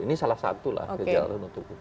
ini salah satu lah kejelasan untuk upah